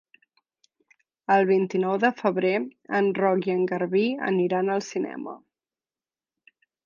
El vint-i-nou de febrer en Roc i en Garbí aniran al cinema.